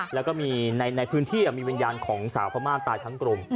แล้วก็มีในพื้นที่มีวิญญาณของสาวพม่าตายทั้งกลม